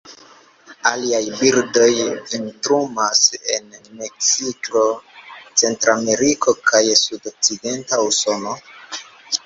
Aliaj birdoj vintrumas en Meksiko, Centrameriko, kaj sudokcidenta Usono.